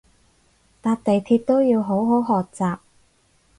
搭地鐵都要好好學習